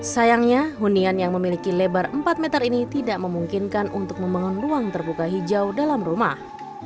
sayangnya hunian yang memiliki lebar empat meter ini tidak memungkinkan untuk membangun ruang terbuka hijau dalam rumah